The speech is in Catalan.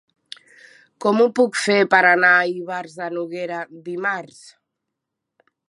Com ho puc fer per anar a Ivars de Noguera dimarts?